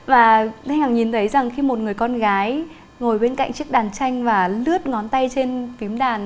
và khách hàng nhìn thấy rằng khi một người con gái ngồi bên cạnh chiếc đàn tranh và lướt ngón tay trên phím đàn